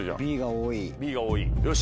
Ｂが多いよし。